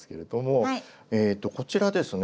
えとこちらですね